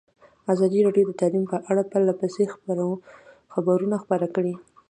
ازادي راډیو د تعلیم په اړه پرله پسې خبرونه خپاره کړي.